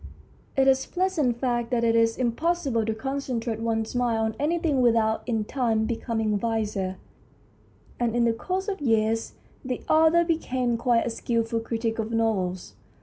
It is a pleasant fact that it is impossible to concentrate one's mind on anything without in time becoming wiser, and in the course of years the author became quite a skilful critic of novels.